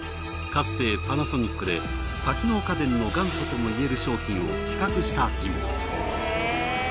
かつてパナソニックで多機能家電の元祖ともいえる商品を企画した人物。